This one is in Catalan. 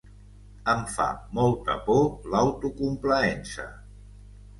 Em fa molta por l’autocomplaença.